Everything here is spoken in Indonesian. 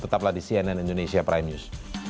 tetaplah di cnn indonesia prime news